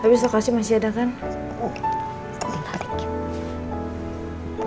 habis lokasi masih ada kan